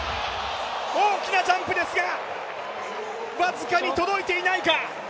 大きなジャンプですが、僅かに届いていないか。